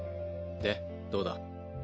でどうだ？